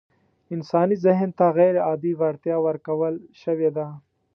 انساني ذهن ته غيرعادي وړتيا ورکول شوې ده.